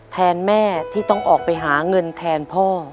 แทนแม่ที่ต้องออกไปหาเงินแทนพ่อ